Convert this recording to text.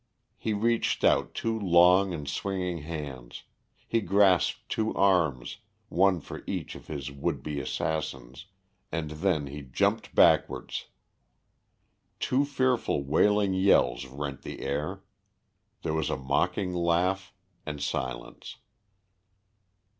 He reached out two long and swinging hands; he grasped two arms, one for each of his would be assassins, and then he jumped backwards. Two fearful wailing yells rent the air; there was a mocking laugh, and silence.